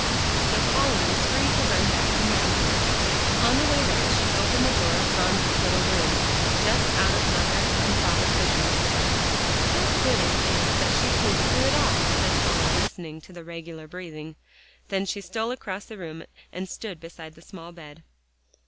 So Polly was free to run back to Mamsie. On the way there she opened the door of Phronsie's little room, just out of Father and Mother Fisher's. "How good it is that she sleeps through it all," said Polly, listening to the regular breathing. Then she stole across the room and stood beside the small bed.